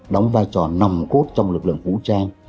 đóng vai trò nòng cốt trong lực lượng vũ trang